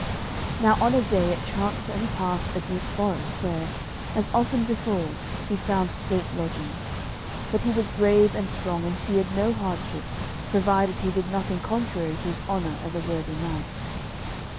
Now on a day it chanced that he passed a deep forest, where, as often before, he found strait lodging. But he was brave and strong, and feared no hardship provided he did nothing contrary to his honour as a worthy knight.